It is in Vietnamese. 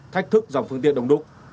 thách thức dòng phương tiện